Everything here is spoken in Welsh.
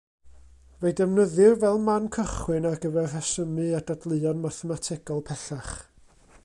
Fe'i defnyddir fel man cychwyn ar gyfer rhesymu a dadleuon mathemategol pellach.